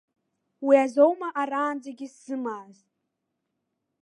Уи азоума аранӡагьы сзымааз.